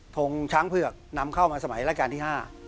ทงช้างเผือกนำเข้ามาสมัยราชการที่๕